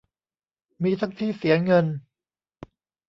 มีทั้งที่เสียเงิน